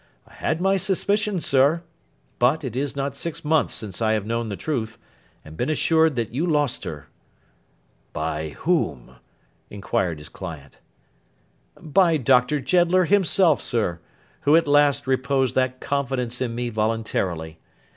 I had my suspicions, sir; but, it is not six months since I have known the truth, and been assured that you lost her.' 'By whom?' inquired his client. 'By Doctor Jeddler himself, sir, who at last reposed that confidence in me voluntarily.